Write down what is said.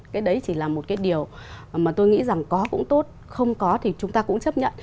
cái đấy chỉ là một cái điều mà tôi nghĩ rằng có cũng tốt không có thì chúng ta cũng chấp nhận